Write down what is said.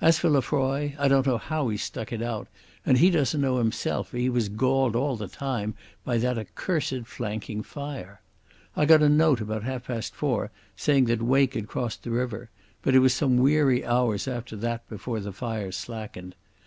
As for Lefroy, I don't know how he stuck it out, and he doesn't know himself, for he was galled all the time by that accursed flanking fire. I got a note about half past four saying that Wake had crossed the river, but it was some weary hours after that before the fire slackened.